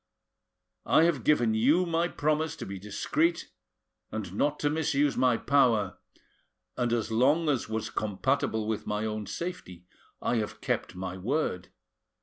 I have given you my promise to be discreet and not to misuse my power, and as long as was compatible with my own safety I have kept my word.